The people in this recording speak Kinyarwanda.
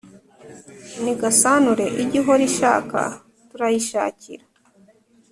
nigasanure ijye ihora ishaka turayishakira.